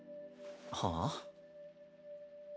はあ？